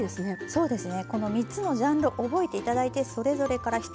そうですね。